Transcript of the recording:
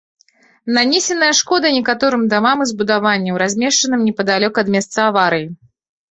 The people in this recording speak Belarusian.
Нанесеная шкода некаторым дамам і збудаванням, размешчаным непадалёк ад месца аварыі.